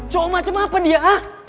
cowok macem apa dia ah